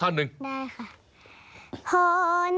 พ่อหน้าจ้าสีกาขอสั่ง